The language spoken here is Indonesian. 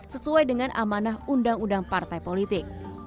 sesuai dengan amanah undang undang partai politik